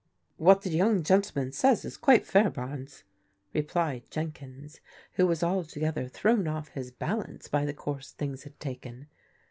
"What the young gentleman says is quite fair, Barnes, replied Jenkins, who was altogether thrown off his balance by the course things had taken.